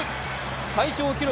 最長記録